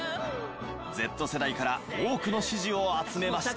Ｚ世代から多くの支持を集めました。